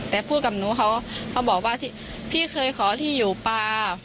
แต่พูดกับหนูเขาเขาบอกว่าพี่เคยขอที่อยู่ปลา